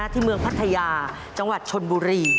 ที่เมืองพัทยาจังหวัดชนบุรี